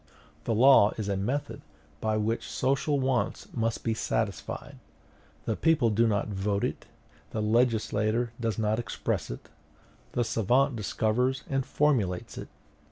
The law is a method by which social wants must be satisfied; the people do not vote it, the legislator does not express it: the savant discovers and formulates it."